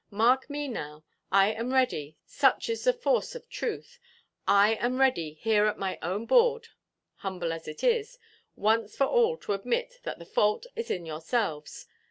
Mark me now, I am ready, such is the force of truth, I am ready here at my own board (humble as it is) once for all to admit that the fault is in yourselves.